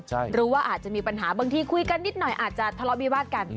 หรือว่าอาจจะมีปัญหาบางทีคุยกันนิดหน่อยอาจจะทะเลาะวิวาสกัน